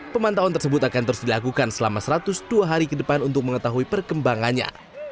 pemantauan tersebut akan terus dilakukan selama satu ratus dua hari ke depan untuk mengetahui perkembangannya